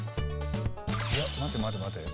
いや待て待て待て。